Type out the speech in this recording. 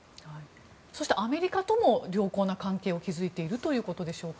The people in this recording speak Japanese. そして、アメリカとも良好な関係を築いているということでしょうか？